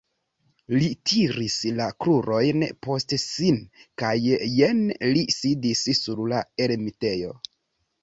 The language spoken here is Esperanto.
Li tiris la krurojn post sin kaj jen li sidis sur la elmetejo.